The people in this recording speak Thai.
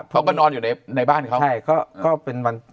เขาก็นอนอยู่ในบ้านเขา